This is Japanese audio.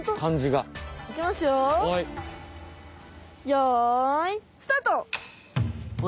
よいスタート！